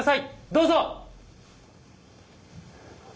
どうぞ！